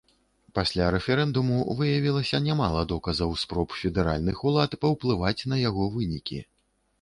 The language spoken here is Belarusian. Пасля рэферэндуму выявілася нямала доказаў спроб федэральных улад паўплываць на яго вынікі.